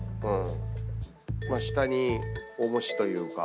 下に重しというか。